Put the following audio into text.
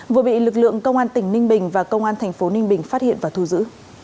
vừa bị lực lượng công an tỉnh ninh bình và công an thành phố ninh bình phát hiện và thu giữ